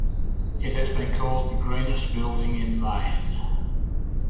It has been called the greenest building in Maine.